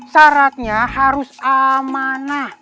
syaratnya harus amanah